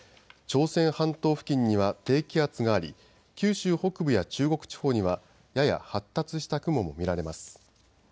朝鮮半島付近には低気圧があり九州北部や中国地方にはやや発達した雲も見られます。